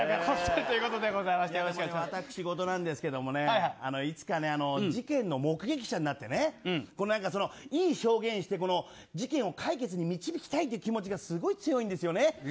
私事なんですけどいつか事件の目撃者になってねいい証言をして事件を解決に導きたいという気持ちがすごい強いんですよね。